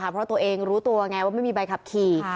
เพราะตัวเองรู้ตัวไงว่าไม่มีใบขับขี่